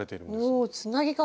おつなぎ方？